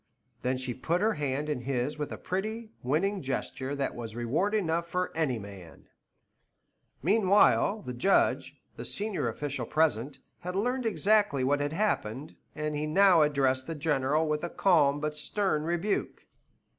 Then she put her hand in his with a pretty, winning gesture that was reward enough for any man. Meanwhile, the Judge, the senior official present, had learned exactly what had happened, and he now addressed the General with a calm but stern rebuke.